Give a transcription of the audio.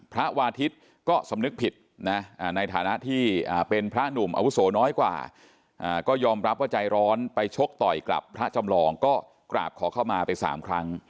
พระวาทิศก็สำนึกผิดนะในฐานะที่เป็นพระหนุ่มอาวุโสน้อยกว่าก็ยอมรับว่าใจร้อนไปชกต่อยกลับพระจำลองก็กราบขอเข้ามาไป๓ครั้ง